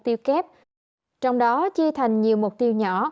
tiêu kép trong đó chia thành nhiều mục tiêu nhỏ